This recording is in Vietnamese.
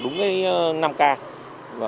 đúng cái năm k